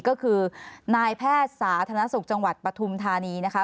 ก็คือนายแพทย์สาธารณสุขจังหวัดปฐุมธานีนะคะ